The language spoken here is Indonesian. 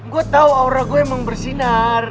gue tahu aura gue emang bersinar